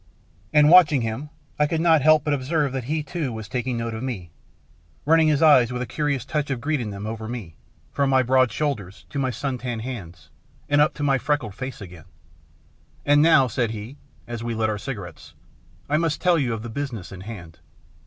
And watching him, I could not help but observe that he too was taking note of me, running his eyes, with a curious touch of greed in them, over me, from my broad shoulders to my sun tanned hands, and up to my freckled face 50 THE PLATTNER STORY AND OTHERS again. " And now," said he, as we lit our cigar ettes, " I must tell you of the business in hand.